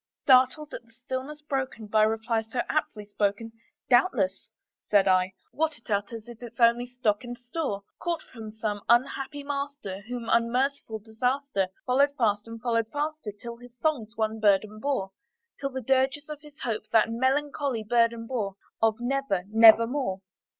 Startled at the stillness broken by reply so aptly spoken, "Doubtless," said I, "what it utters is its only stock and store, Caught from some unhappy master whom unmerciful Disaster Followed fast and followed faster till his songs one burden bore, Till the dirges of his Hope that melancholy burden bore Of 'Never nevermore.'"